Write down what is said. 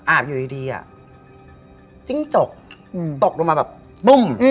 อาบอยู่ดีอ่ะจิ้งจกตกลงมาแบบปุ้ม